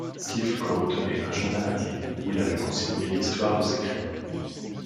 Slivko tenait un journal intime où il avait consigné l'histoire de ses crimes.